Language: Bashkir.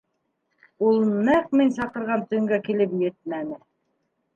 — Ул нәҡ мин саҡырған төнгә килеп етмәне.